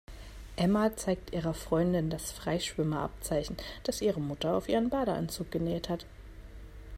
Emma zeigt ihrer Freundin das Freischwimmer-Abzeichen, das ihre Mutter auf ihren Badeanzug genäht hat.